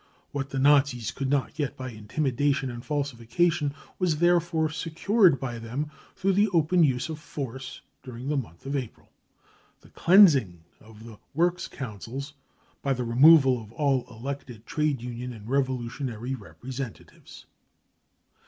What 'the Nazis could not get by intimidation and falsifica tion was therefore secured by them through the open use of force during the month of April : the " cleansing " of the 148 BROWN BOOK OF THE HITLER TERROR works councils by the removal of all elected trade union and ^ revolutionary representatives.